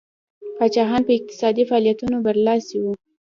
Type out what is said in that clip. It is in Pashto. پاچاهان په اقتصادي فعالیتونو برلاسي وو.